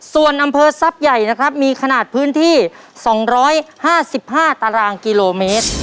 ส่วนอำเภอทรัพย์ใหญ่นะครับมีขนาดพื้นที่สองร้อยห้าสิบห้าตารางกิโลเมตร